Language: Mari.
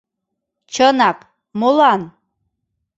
— Чынак, молан?